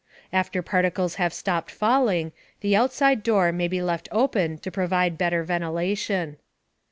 After particles have stopped falling, the outside door may be left open to provide better ventilation.